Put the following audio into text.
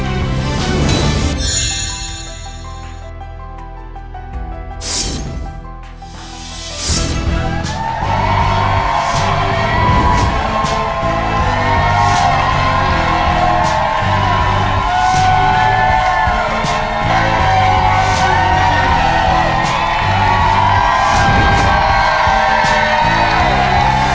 เกมที่จะช่วยต่อลมหายใจให้กับคนรัก